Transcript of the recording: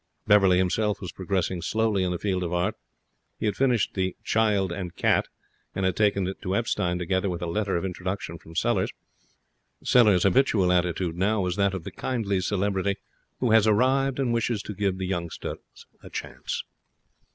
Beverley himself was progressing slowly in the field of Art. He had finished the 'Child and Cat', and had taken it to Epstein together with a letter of introduction from Sellers. Sellers' habitual attitude now was that of the kindly celebrity who has arrived and wishes to give the youngsters a chance.